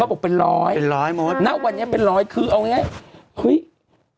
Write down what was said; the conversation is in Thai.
เขาบอกเป็นร้อยเป็นร้อยหมดนะวันนี้เป็นร้อยคือเอาอย่างงี้